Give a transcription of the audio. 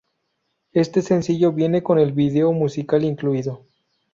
Este sencillo viene con el vídeo musical incluido.